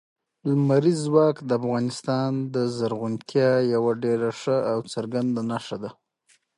لمریز ځواک د افغانستان د زرغونتیا یوه ډېره ښه او څرګنده نښه ده.